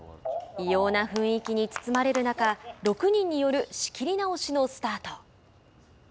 異様な雰囲気に包まれる中６人による仕切り直しのスタート。